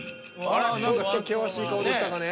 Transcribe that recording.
ちょっと険しい顔でしたかね？